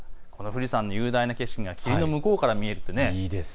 富士山の雄大な景色が霧の向こうから見えると。